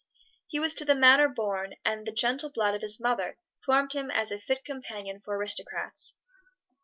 He was to the manner born, and the gentle blood of his mother formed him as a fit companion for aristocrats.